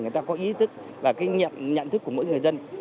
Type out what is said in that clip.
người ta có ý thức và kinh nhận thức của mỗi người dân